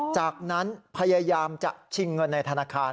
จากนั้นพยายามจะชิงเงินในธนาคาร